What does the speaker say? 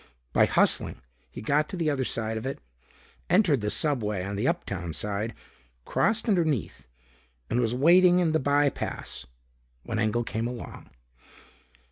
By hustling, he got to the other side of it, entered the subway on the uptown side, crossed underneath and was waiting in the by pass when Engel came along.